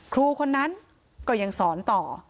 ครูคนนั้นก็ยังสอนต่อ